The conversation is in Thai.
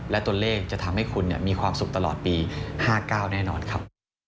และตัวเลขจะทำให้คุณมีความสุขตลอดปี๕๙แน่นอนครับ